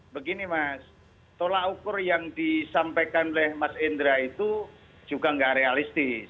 begini mas tolak ukur yang disampaikan oleh mas indra itu juga nggak realistis